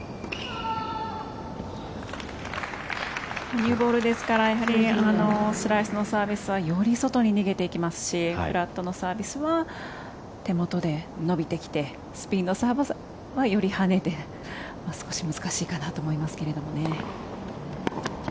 ニューボールですからスライスのサービスはより外に逃げていきますしフラットのサービスは手元で伸びてきてスピンのサーブはより跳ねて少し難しいかなと思いますけどね。